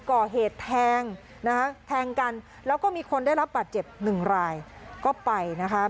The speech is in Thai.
ก่อเหตุแทงกันแล้วก็มีคนได้รับบัตรเจ็บ๑รายก็ไปนะคะ